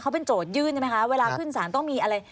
เขาเป็นโจทยื่นใช่ไหมคะเวลาขึ้นสารต้องมีอะไร